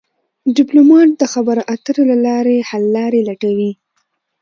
ډيپلومات د خبرو اترو له لارې حل لارې لټوي.